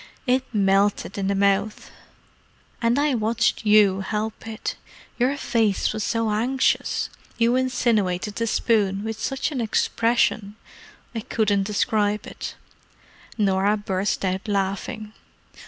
"It melted in the mouth. And I watched you help it; your face was so anxious—you insinuated the spoon with such an expression—I couldn't describe it——" Norah burst out laughing.